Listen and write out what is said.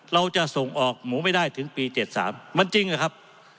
เราจะส่งออกหมูไม่ได้ถึงปี๗๓มันจริงอะครับ